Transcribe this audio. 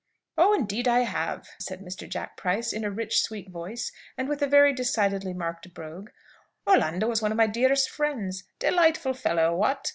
"Oh, indeed, I have!" said Mr. Jack Price, in a rich sweet voice, and with a very decidedly marked brogue. "Orlando is one of my dearest friends. Delightful fellow, what?